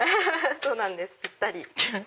そうなんですぴったり。